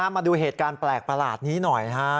มาดูเหตุการณ์แปลกประหลาดนี้หน่อยฮะ